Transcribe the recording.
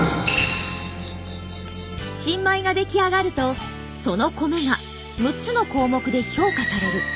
新米が出来上がるとその米が６つの項目で評価される。